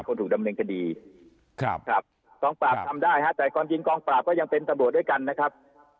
คนถูกดำเนินคดีกองปราบทำได้ฮะแต่กรณ์จริงกองปราบก็ยังเป็นตรวจด้วยกันนะครับ